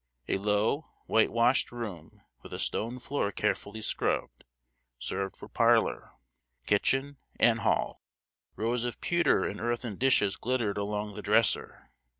A low whitewashed room, with a stone floor carefully scrubbed, served for parlor, kitchen, and hall. Rows of pewter and earthen dishes glittered along the dresser.